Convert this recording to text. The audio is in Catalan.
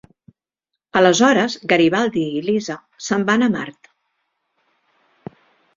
Aleshores Garibaldi i Lise se'n van a Mart.